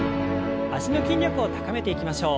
脚の筋力を高めていきましょう。